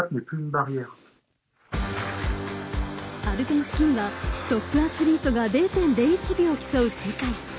アルペンスキーはトップアスリートが０．０１秒を競う世界。